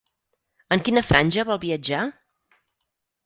En quina franja vol viatjar?